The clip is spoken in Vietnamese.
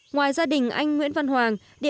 ngoài gia đình anh nguyễn văn hoàng